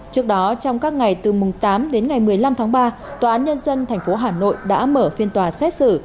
trước đó trong các ngày từ mùng tám đến ngày một mươi năm tháng ba tòa án nhân dân tp hà nội đã mở phiên tòa xét xử